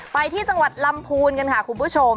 ไปที่จังหวัดลำพูนกันค่ะคุณผู้ชม